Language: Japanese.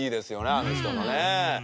あの人のね。